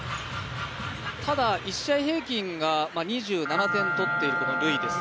ただ、１試合平均が２７点取っているルイです。